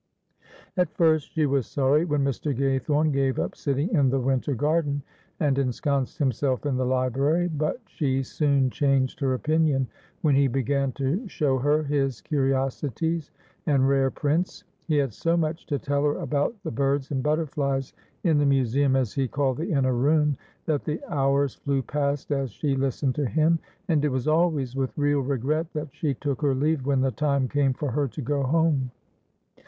At first she was sorry when Mr. Gaythorne gave up sitting in the winter garden, and ensconced himself in the library, but she soon changed her opinion when he began to show her his curiosities and rare prints. He had so much to tell her about the birds and butterflies in the museum as he called the inner room, that the hours flew past as she listened to him, and it was always with real regret that she took her leave when the time came for her to go home.